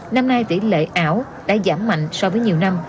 năm nay tỷ lệ ảo đã giảm mạnh so với nhiều năm